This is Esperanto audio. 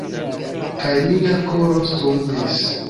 Kaj mia koro stumblis.